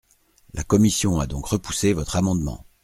La commission a donc repoussé votre amendement.